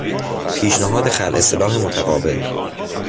پیشنهاد خلع سلاح متقابل